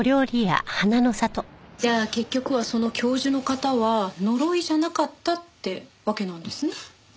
じゃあ結局はその教授の方は呪いじゃなかったってわけなんですね？